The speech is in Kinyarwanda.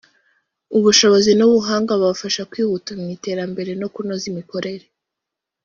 ubushobozi n’ubuhanga babafasha kwihuta mu iterambere no kunoza imikorere